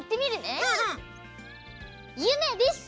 ゆめです。